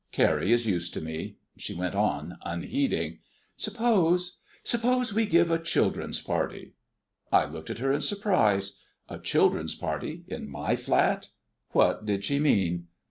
Carrie is used to me. She went on unheeding. "Suppose suppose we give a children's party." I looked at her in surprise. A children's party in my flat! What did she mean?